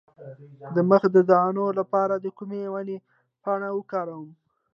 د مخ د دانو لپاره د کومې ونې پاڼې وکاروم؟